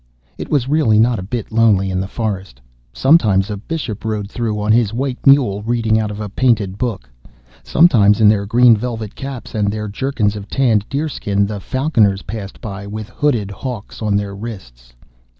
It was really not a bit lonely in the forest. Sometimes a Bishop rode through on his white mule, reading out of a painted book. Sometimes in their green velvet caps, and their jerkins of tanned deerskin, the falconers passed by, with hooded hawks on their wrists.